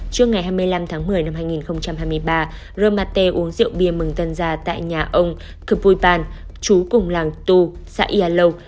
trước ngày hai mươi năm tháng một mươi năm hai nghìn hai mươi ba roma t uống rượu bia mừng tân gia tại nhà ông kpui pan chú cùng làng tu xã yà lâu